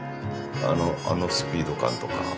あのスピード感とか。